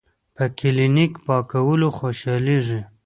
پۀ کلینک پاکولو خوشالیږي ـ